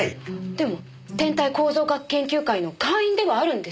でも天体構造学研究会の会員ではあるんですよね？